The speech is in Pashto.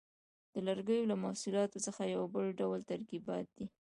د لرګیو له محصولاتو څخه یو بل ډول ترکیبات دي.